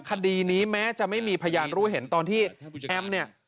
คดีนี้แม้จะไม่มีพยานรู้เห็นตอนที่แอมเนี่ย